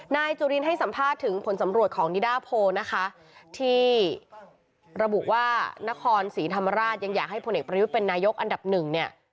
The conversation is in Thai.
นายจุลินให้สัมภาษณ์ถึงผลสำรวจของนิดาโพนะคะที่ระบุว่านครศรีธรรมราชยังอยากให้พลเอกประยุทธ์เป็นนายกอันดับหนึ่งเนี่ย